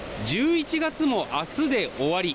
１１月も明日で終わり。